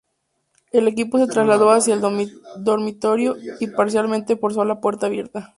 El equipo se trasladó hacia el dormitorio y parcialmente forzó la puerta abierta.